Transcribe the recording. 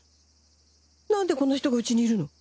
なんでこんな人がうちにいるの？